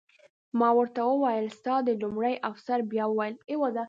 ما ورته وویل: ستا د... لومړي افسر بیا وویل.